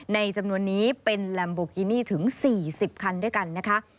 จำนวนนี้เป็นลัมโบกินี่ถึง๔๐คันด้วยกันนะคะ